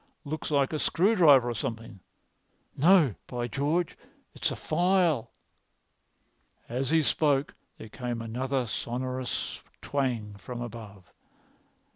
Looks like a screwdriver or something. No, by George, it's a file." As he spoke there came another sonorous twang from above.